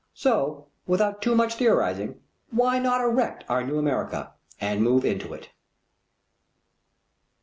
So without too much theorizing, why not erect our new America and move into it?